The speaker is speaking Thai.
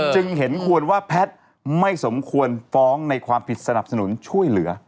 จึงเห็นควรว่าแพทย์ไม่สมควรฟ้องในความผิดสนับสนุนช่วยเหลือ